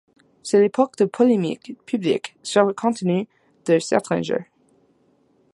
C'est l'époque des polémiques publiques sur le contenu de certains jeux.